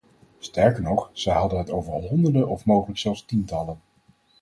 Sterker nog, zij hadden het over honderden of mogelijk zelfs tientallen.